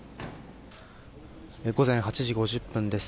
午前８時５０分です。